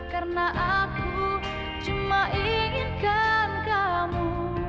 karena aku cuma inginkan kamu